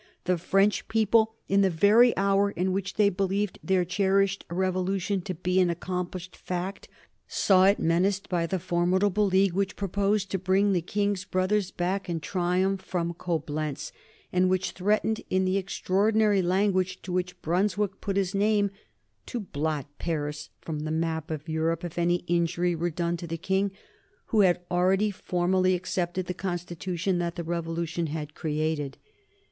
The French people in the very hour in which they believed their cherished revolution to be an accomplished fact saw it menaced by the formidable league which proposed to bring the King's brothers back in triumph from Coblentz, and which threatened, in the extraordinary language to which Brunswick put his name, to blot Paris from the map of Europe if any injury were done to the King, who had already formally accepted the constitution that the Revolution had created.